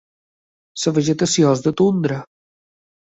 La vegetació és de tundra.